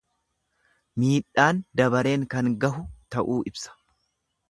Miidhaan dabareen kan gahu ta'uu ibsa.